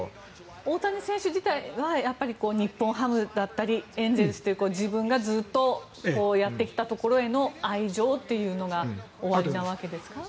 大谷選手自体は日本ハムだったりエンゼルスという自分がずっとやってきたところへの愛情というのがおありなわけですか？